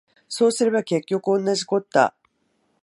そうすれば結局おんなじこった